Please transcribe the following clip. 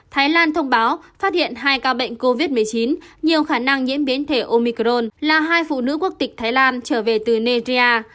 thái lan thông báo phát hiện hai ca bệnh covid một mươi chín nhiều khả năng nhiễm biến thể omicron là hai phụ nữ quốc tịch thái lan trở về từ negia